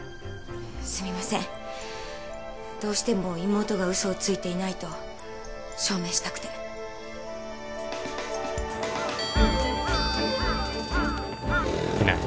すみませんどうしても妹が嘘をついていないと証明したくていない